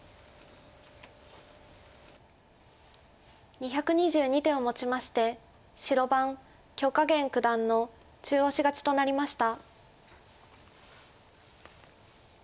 ２２２手をもちまして白番許家元九段の中押し勝ちとなりました。